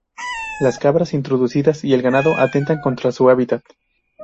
Las cabras introducidas y el ganado atentan contra su hábitat.